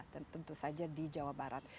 dan tentu saja di jawa barat